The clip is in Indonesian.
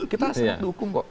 kita harus dukung kok